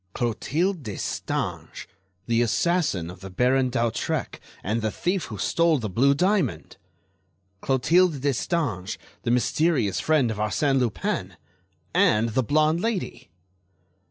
Clotilde Destange, the assassin of the Baron d'Hautrec and the thief who stole the blue diamond! Clotilde Destange, the mysterious friend of Arsène Lupin! And the blonde lady!